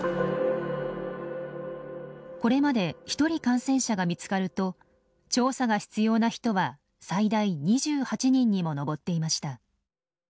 これまで１人感染者が見つかると調査が必要な人は最大２８人にも上っていました。